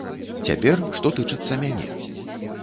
Цяпер, што тычыцца мяне.